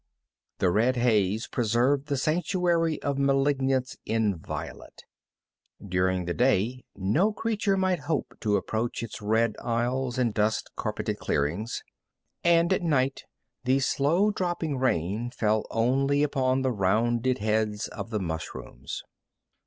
The red haze preserved the sanctuary of malignance inviolate. During the day no creature might hope to approach its red aisles and dust carpeted clearings, and at night the slow dropping rain fell only upon the rounded heads of the mushrooms.